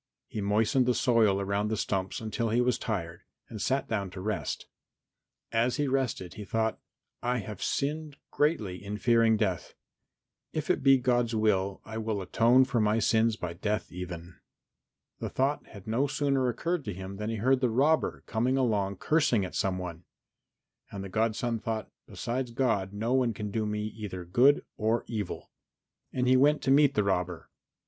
He moistened the soil around the stumps until he was tired and sat down to rest. As he rested he thought, "I have sinned greatly in fearing death. If it be God's will I will atone for my sins by death even." The thought had no sooner occurred to him than he heard the robber come along cursing at some one. And the godson thought, "Besides God no one can do me either good or evil." And he went to meet the robber.